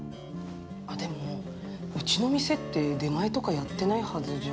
あっでもうちの店って出前とかやってないはずじゃ。